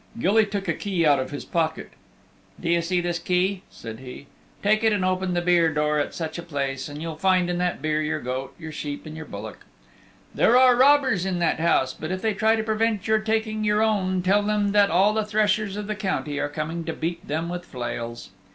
Gilly took a key out of his pocket. "Do you see this key?" said he. "Take it and open the byre door at such a place, and you'll find in that byre your goat, your sheep and your bullock. There are robbers in that house, but if they try to prevent your taking your own tell them that all the threshers of the country are coming to beat them with flails."